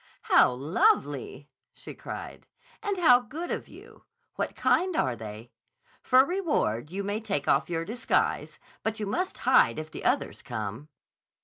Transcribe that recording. "How lovely!" she cried. "And how good of you! What kind are they? For reward you may take off your disguise, but you must hide if the others come."